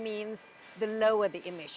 maka lebih rendah emisi